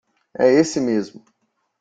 É esse mesmo.